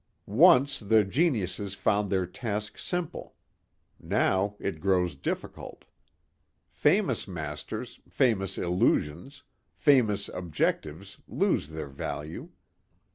Once the geniuses found their task simple. Now it grows difficult. Famous masters, famous illusions, famous objectives lose their value.